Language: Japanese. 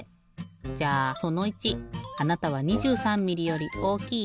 じゃあその１あなたは２３ミリより大きい？